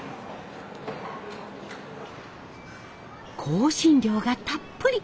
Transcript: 香辛料がたっぷり。